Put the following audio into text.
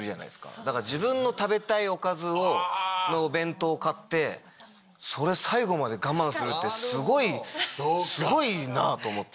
だから、自分の食べたいおかずのお弁当を買って、それを最後まで我慢するって、すごい、すごいなと思って。